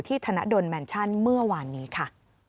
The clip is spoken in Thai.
ธนดลแมนชั่นเมื่อวานนี้ค่ะ